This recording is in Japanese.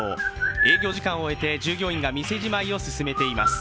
営業時間を終えて従業員が店じまいを進めています。